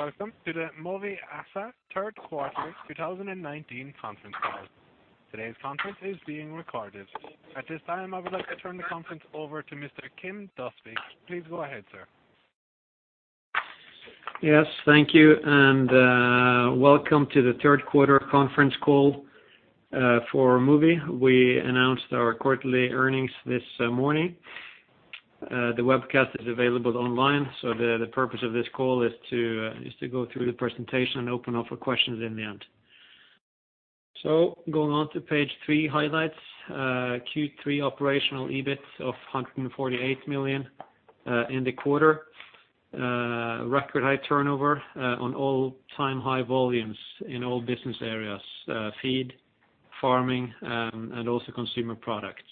Welcome to the Mowi ASA Third Quarter 2019 Conference Call. Today's conference is being recorded. At this time, I would like to turn the conference over to Mr. Kim Døsvig. Please go ahead, sir. Yes, thank you, welcome to the third quarter conference call for Mowi. We announced our quarterly earnings this morning. The webcast is available online. The purpose of this call is to go through the presentation and open up for questions in the end. Going on to page three, highlights. Q3 operational EBIT of 148 million in the quarter. Record high turnover on all-time high volumes in all business areas: feed, farming, and also consumer products.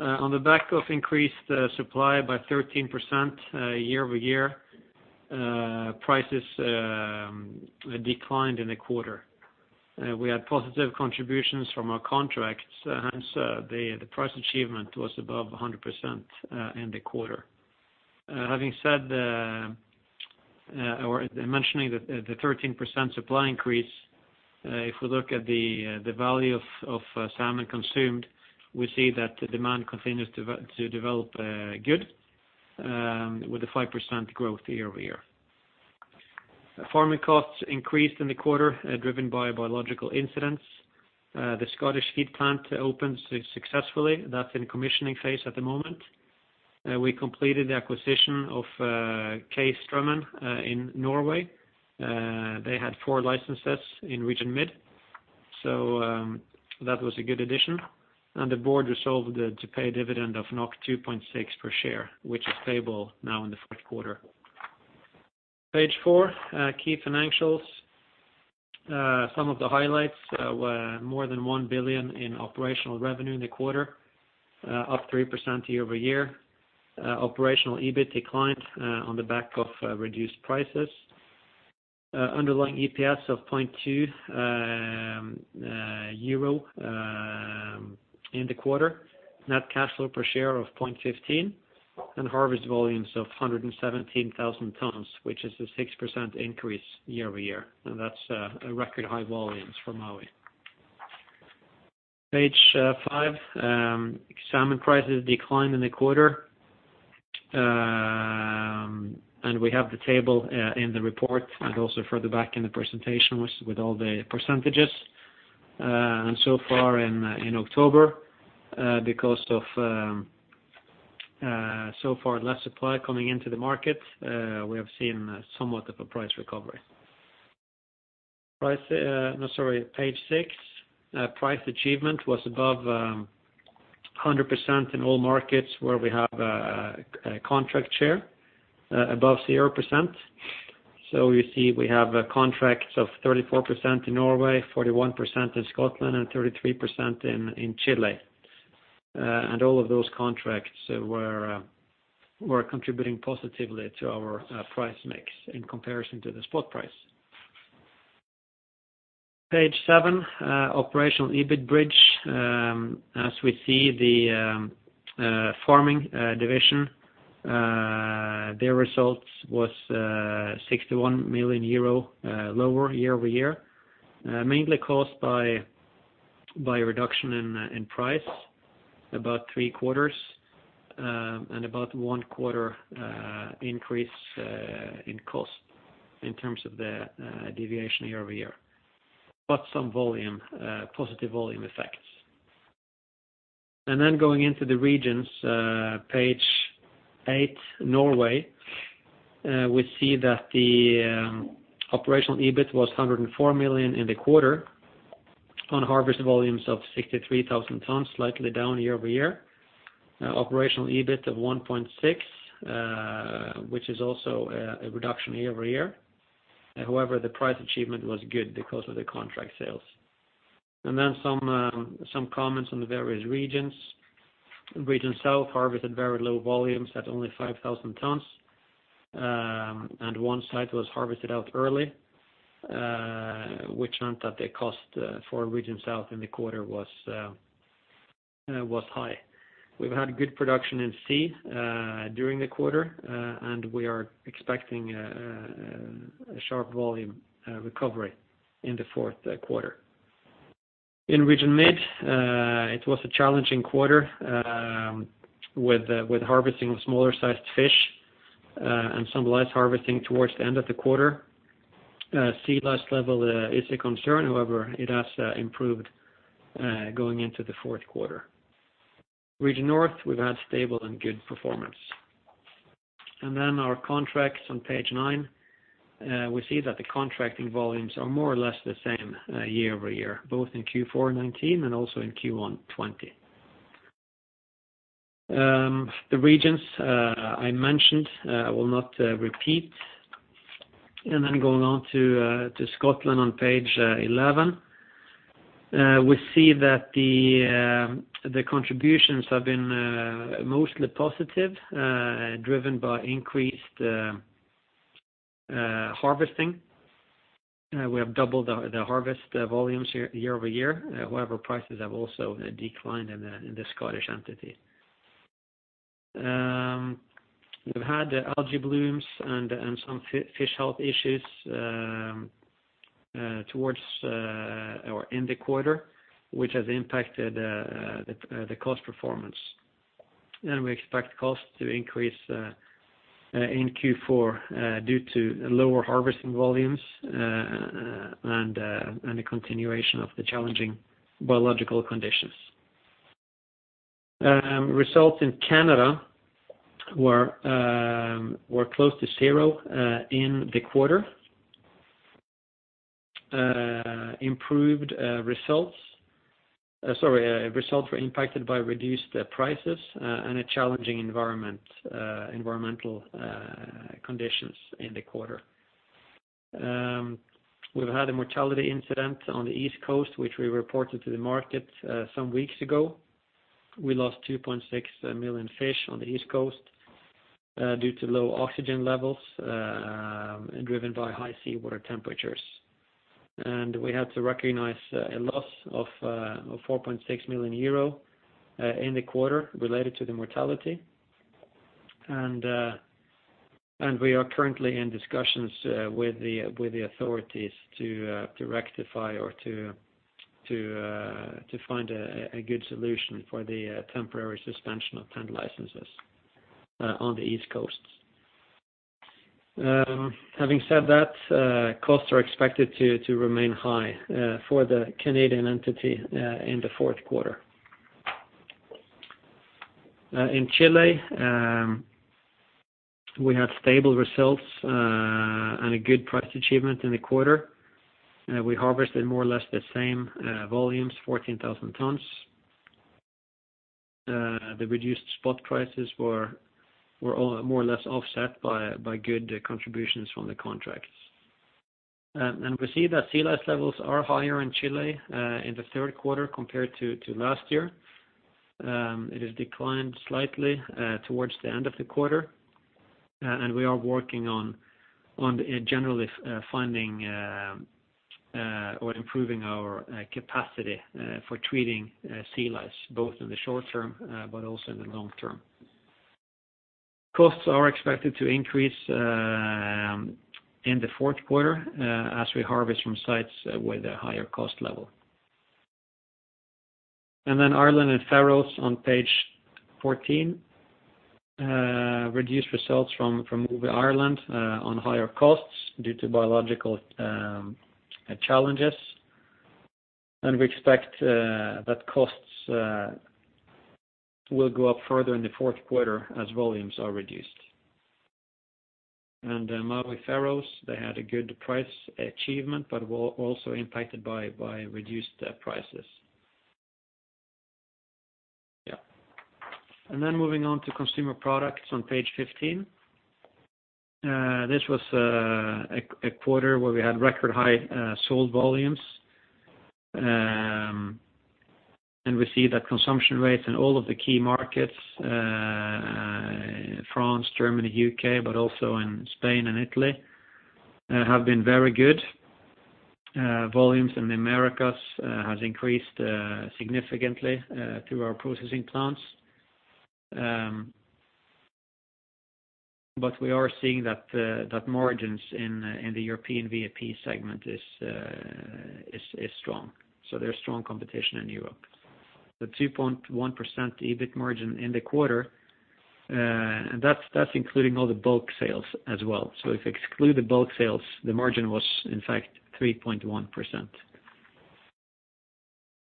On the back of increased supply by 13% year-over-year, prices declined in the quarter. We had positive contributions from our contracts, hence the price achievement was above 100% in the quarter. Mentioning the 13% supply increase, if we look at the value of salmon consumed, we see that demand continues to develop good with a 5% growth year-over-year. Farming costs increased in the quarter, driven by biological incidents. The Scottish feed plant opened successfully. That's in commissioning phase at the moment. We completed the acquisition of K. Strømmen in Norway. They had four licenses in Region Mid, so that was a good addition. The board resolved to pay a dividend of 2.6 per share, which is payable now in the fourth quarter. Page four, key financials. Some of the highlights were more than 1 billion in operational revenue in the quarter, up 3% year-over-year. Operational EBIT declined on the back of reduced prices. Underlying EPS of 0.2 euro in the quarter. Net cash flow per share of 0.15, and harvest volumes of 117,000 tons, which is a 6% increase year-over-year. That's a record high volumes for Mowi. Page five, salmon prices declined in the quarter. We have the table in the report and also further back in the presentation with all the percentages. So far in October, because of so far, less supply coming into the market, we have seen somewhat of a price recovery. Page six. Price achievement was above 100% in all markets where we have a contract share above 0%. You see we have contracts of 34% in Norway, 41% in Scotland, and 33% in Chile. All of those contracts were contributing positively to our price mix in comparison to the spot price. Page seven, operational EBIT bridge. As we see the farming division, their results was 61 million euro lower year-over-year, mainly caused by a reduction in price, about three quarters, and about one quarter increase in cost in terms of the deviation year-over-year, but some positive volume effects. Going into the regions, page eight, Norway. We see that the operational EBIT was 104 million in the quarter on harvest volumes of 63,000 tonnes, slightly down year-over-year. Operational EBIT of 1.6, which is also a reduction year-over-year. The price achievement was good because of the contract sales. Some comments on the various regions. Region South harvested very low volumes at only 5,000 tonnes, and one site was harvested out early, which meant that the cost for Region South in the quarter was high. We've had good production in sea during the quarter, and we are expecting a sharp volume recovery in the fourth quarter. In Region Mid, it was a challenging quarter with harvesting smaller-sized fish and some lice harvesting towards the end of the quarter. Sea lice level is a concern, it has improved going into the fourth quarter. Region North, we've had stable and good performance. Our contracts on page nine. We see that the contracting volumes are more or less the same year-over-year, both in Q4 2019 and also in Q1 2020. The regions I mentioned, I will not repeat. Going on to Scotland on page 11. We see that the contributions have been mostly positive, driven by increased harvesting. We have doubled the harvest volumes year-over-year. However, prices have also declined in the Scottish entity. We've had algae blooms and some fish health issues towards our end quarter, which has impacted the cost performance. We expect costs to increase in Q4 due to lower harvesting volumes and a continuation of the challenging biological conditions. Results in Canada were close to zero in the quarter. Results were impacted by reduced prices and challenging environmental conditions in the quarter. We've had a mortality incident on the East Coast, which we reported to the market some weeks ago. We lost 2.6 million fish on the East Coast due to low oxygen levels driven by high seawater temperatures. We had to recognize a loss of 4.6 million euro in the quarter related to the mortality. We are currently in discussions with the authorities to rectify or to find a good solution for the temporary suspension of 10 licenses on the East Coast. Having said that, costs are expected to remain high for the Canadian entity in the fourth quarter. In Chile, we have stable results and a good price achievement in the quarter. We harvested more or less the same volumes, 14,000 tons. The reduced spot prices were more or less offset by good contributions from the contracts. We see that sea lice levels are higher in Chile in the third quarter compared to last year. It has declined slightly towards the end of the quarter. We are working on generally finding or improving our capacity for treating sea lice, both in the short term but also in the long term. Costs are expected to increase in the fourth quarter as we harvest from sites with a higher cost level. Ireland and Faroes on page 14. Reduced results from Mowi Ireland on higher costs due to biological challenges. We expect that costs will go up further in the fourth quarter as volumes are reduced. Mowi Faroes, they had a good price achievement but were also impacted by reduced prices. Moving on to consumer products on page 15. This was a quarter where we had record high sold volumes. We see that consumption rates in all of the key markets, France, Germany, U.K., but also in Spain and Italy, have been very good. Volumes in the Americas has increased significantly through our processing plants. We are seeing that margins in the European VAP segment is strong. There's strong competition in Europe. The 2.1% EBIT margin in the quarter, and that's including all the bulk sales as well. If you exclude the bulk sales, the margin was in fact 3.1%.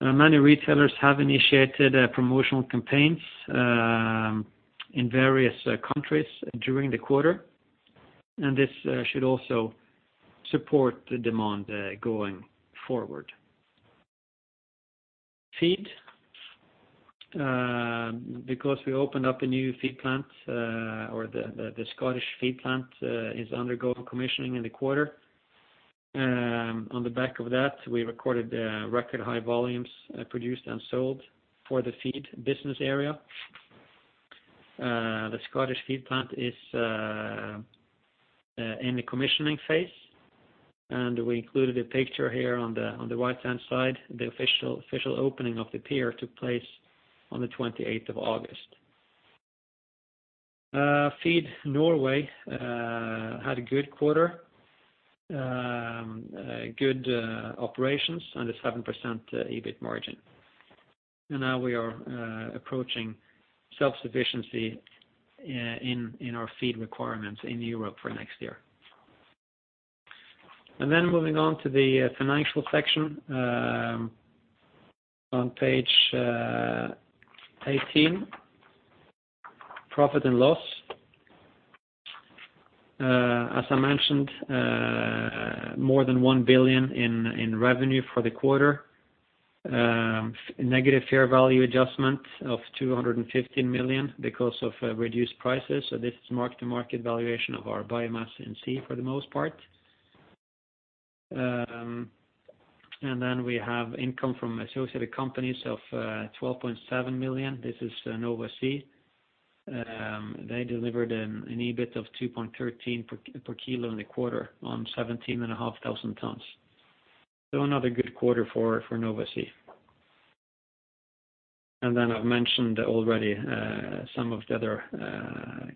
Many retailers have initiated promotional campaigns in various countries during the quarter, and this should also support the demand going forward. Feed. Because we opened up a new feed plant, or the Scottish feed plant is undergoing commissioning in the quarter. On the back of that, we recorded record high volumes produced and sold for the feed business area. The Scottish feed plant is in the commissioning phase. We included a picture here on the right-hand side. The official opening of the pier took place on the August 28th. Mowi Feed had a good quarter, good operations, and a 7% EBIT margin. Now we are approaching self-sufficiency in our feed requirements in Europe for next year. Moving on to the financial section on page 18, profit and loss. As I mentioned, more than 1 billion in revenue for the quarter. Negative fair value adjustment of 215 million because of reduced prices. This is mark-to-market valuation of our biomass in sea, for the most part. We have income from associated companies of 12.7 million. This is Nova Sea. They delivered an EBIT of 2.13 per kilo in the quarter on 17,500 tonnes. Another good quarter for Nova Sea. I've mentioned already some of the other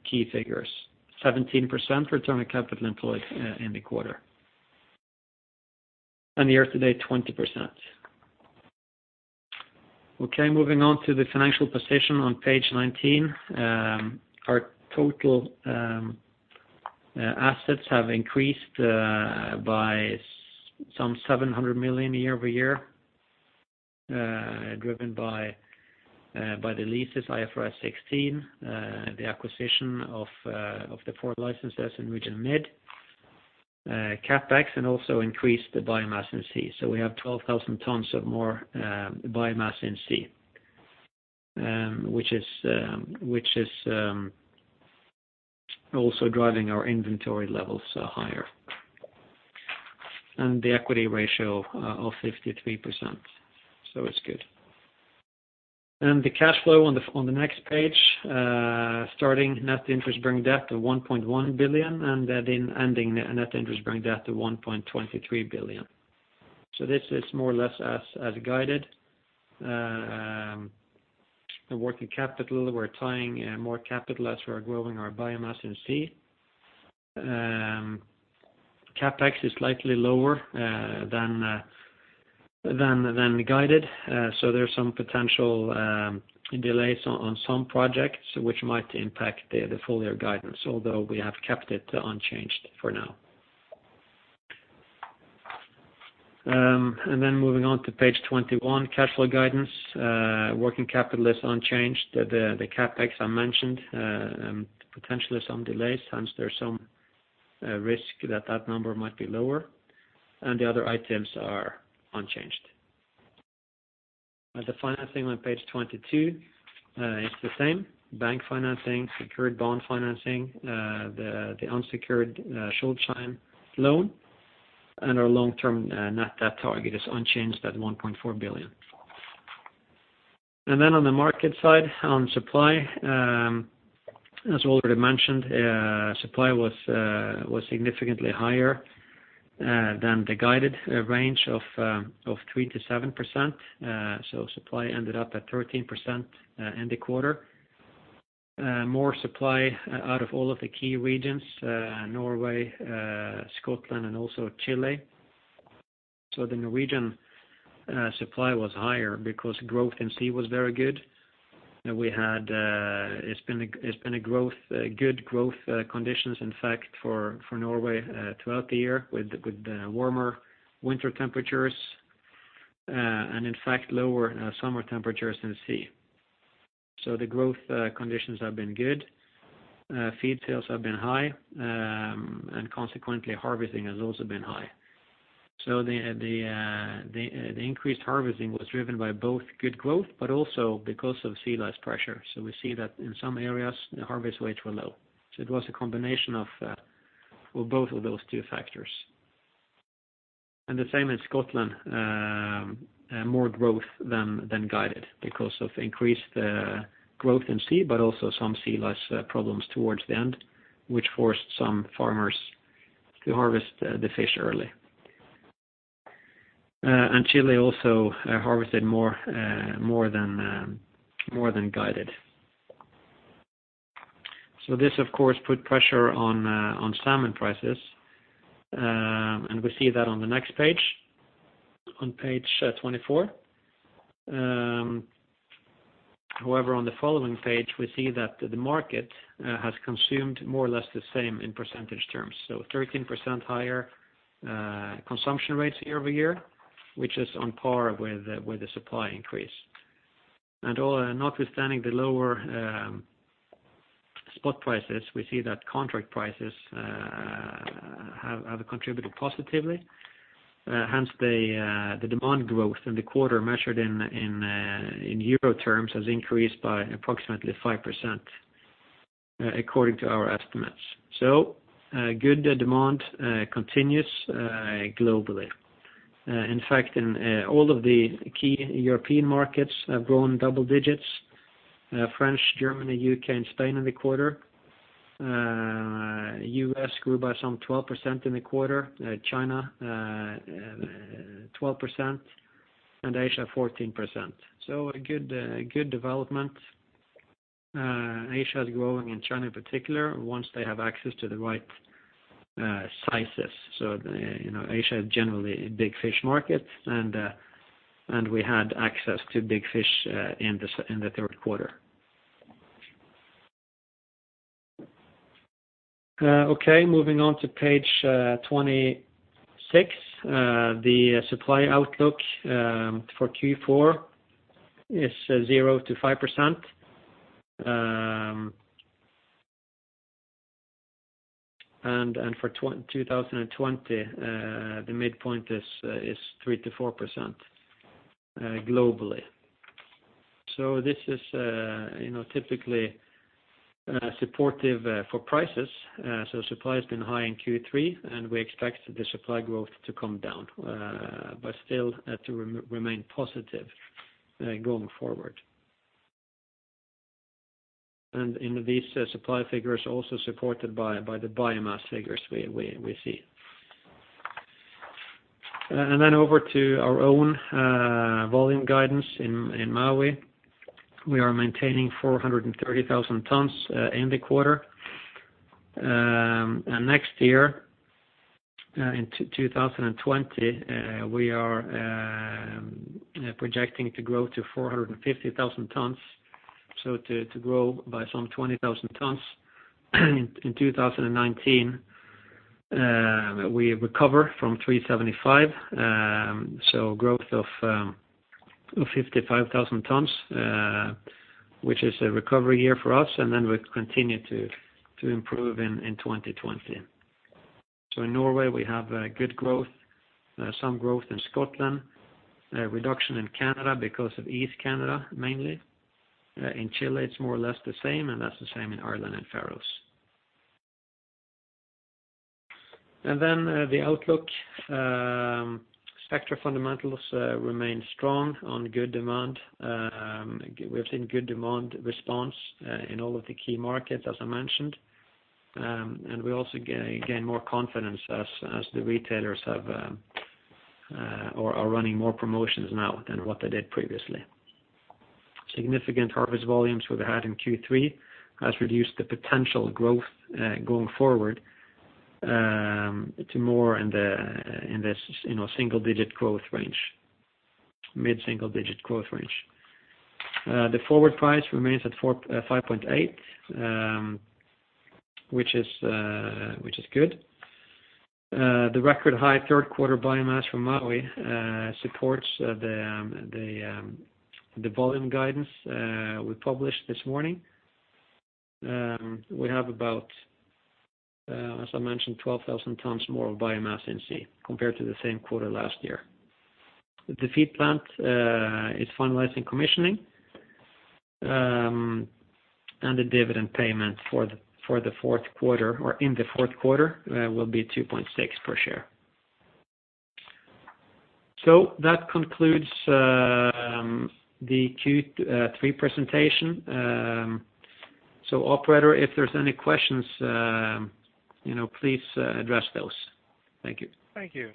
key figures. 17% return on capital employed in the quarter. Year-to-date, 20%. Moving on to the financial position on page 19. Our total assets have increased by some 700 million year-over-year, driven by the leases IFRS 16, the acquisition of the four licenses in Region Mid, CapEx, and also increased the biomass in sea. We have 12,000 tonnes of more biomass in sea, which is also driving our inventory levels higher. The equity ratio of 53%, so it's good. The cash flow on the next page. Starting net interest-bearing debt of 1.1 billion and then ending net interest-bearing debt of 1.23 billion. This is more or less as guided. The working capital, we're tying more capital as we're growing our biomass in sea. CapEx is slightly lower than guided. There's some potential delays on some projects which might impact the full year guidance, although we have kept it unchanged for now. Moving on to page 21, cash flow guidance. Working capital is unchanged. The CapEx I mentioned, potentially some delays, hence there's some risk that that number might be lower. The other items are unchanged. The financing on page 22 is the same. Bank financing, secured bond financing, the unsecured Schuldschein loan, and our long-term net debt target is unchanged at 1.4 billion. On the market side, on supply, as already mentioned, supply was significantly higher than the guided range of 3%-7%. Supply ended up at 13% in the quarter. More supply out of all of the key regions, Norway, Scotland and also Chile. The Norwegian supply was higher because growth in sea was very good. It's been a good growth conditions in fact for Norway throughout the year with warmer winter temperatures, and in fact lower summer temperatures in sea. The growth conditions have been good. Feed sales have been high, and consequently harvesting has also been high. The increased harvesting was driven by both good growth, but also because of sea lice pressure. We see that in some areas, the harvest rates were low. It was a combination of both of those two factors. The same in Scotland, more growth than guided because of increased growth in sea, but also some sea lice problems towards the end, which forced some farmers to harvest the fish early. Chile also harvested more than guided. This of course put pressure on salmon prices, and we see that on the next page, on page 24. On the following page, we see that the market has consumed more or less the same in percentage terms. 13% higher consumption rates year-over-year, which is on par with the supply increase. Notwithstanding the lower spot prices, we see that contract prices have contributed positively. Hence the demand growth in the quarter measured in euro terms has increased by approximately 5%, according to our estimates. Good demand continues globally. In fact, in all of the key European markets have grown double digits. France, Germany, U.K. and Spain in the quarter. U.S. grew by some 12% in the quarter. China 12%, and Asia 14%. A good development. Asia is growing and China in particular, once they have access to the right sizes. Asia is generally a big fish market, and we had access to big fish in the third quarter. Okay, moving on to page 26. The supply outlook for Q4 is 0%-5%. For 2020, the midpoint is 3%-4% globally. This is typically supportive for prices. Supply has been high in Q3, and we expect the supply growth to come down, but still to remain positive going forward. These supply figures are also supported by the biomass figures we see. Over to our own volume guidance in Mowi. We are maintaining 430,000 tons in the quarter. Next year, in 2020, we are projecting to grow to 450,000 tons. To grow by some 20,000 tons. In 2019, we recover from 375 tons, so growth of 55,000 tons, which is a recovery year for us, and then we continue to improve in 2020. In Norway, we have good growth, some growth in Scotland, a reduction in Canada because of East Canada, mainly. In Chile, it's more or less the same, and that's the same in Ireland and Faroes. The outlook. Sector fundamentals remain strong on good demand. We have seen good demand response in all of the key markets, as I mentioned. We also gain more confidence as the retailers are running more promotions now than what they did previously. Significant harvest volumes we've had in Q3 has reduced the potential growth going forward to more in this mid-single-digit growth range. The forward price remains at 5.8, which is good. The record-high third quarter biomass from Mowi supports the volume guidance we published this morning. We have about, as I mentioned, 12,000 tonnes more of biomass in sea compared to the same quarter last year. The feed plant is finalizing commissioning. The dividend payment in the fourth quarter will be 2.6 per share. That concludes the Q3 presentation. Operator, if there's any questions, please address those. Thank you. Thank you.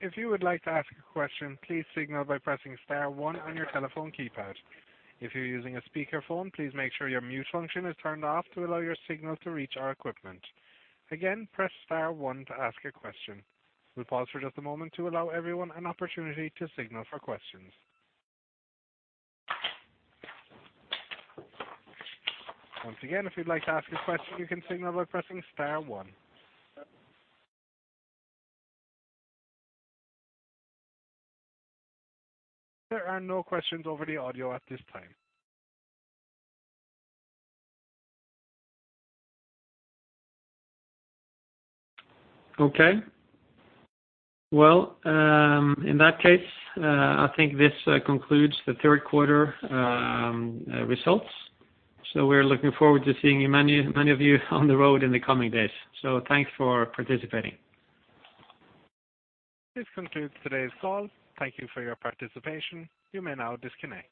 If you would like to ask a question, please signal by pressing star one on your telephone keypad. If you're using a speakerphone, please make sure your mute function is turned off to allow your signal to reach our equipment. Again, press star one to ask a question. We'll pause for just a moment to allow everyone an opportunity to signal for questions. Once again, if you'd like to ask a question, you can signal by pressing star one. There are no questions over the audio at this time. Okay. Well, in that case, I think this concludes the third quarter results. We're looking forward to seeing many of you on the road in the coming days. Thanks for participating. This concludes today's call. Thank you for your participation. You may now disconnect.